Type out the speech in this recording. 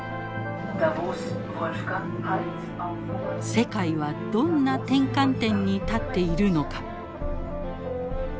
世界はどんな転換点に立っているのか。